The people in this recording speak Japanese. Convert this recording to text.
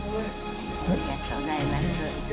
ありがとうございます。